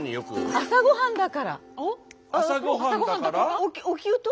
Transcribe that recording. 朝ごはんだから？